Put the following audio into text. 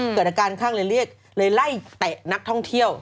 เกิดอาการข้างเลยเรียกเลยไล่เตะนักท่องเที่ยว